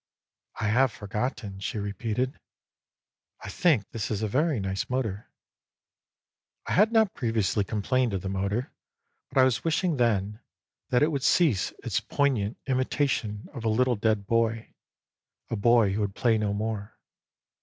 " I have forgotten," she repeated. " I think this is a very nice motor." I had not previously complained of the motor, but I was wishing then that it would cease its poignant imitation of a little dead boy, a boy who would play no more.